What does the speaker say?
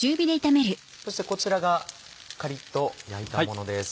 そしてこちらがカリっと焼いたものです。